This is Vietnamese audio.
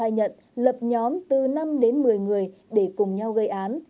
nhóm từ năm đến một mươi người để cùng nhau gây án